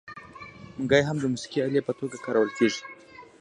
منګی هم د موسیقۍ الې په توګه کارول کیږي.